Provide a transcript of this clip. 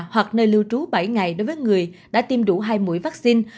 hoặc nơi lưu trú bảy ngày đối với người đã tiêm đủ hai mũi vaccine